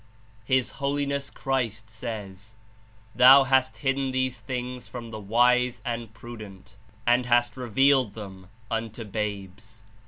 His Holiness Christ says: 'Thou hast hidden these things from the wise and prudent, and hast revealed them unto babes.'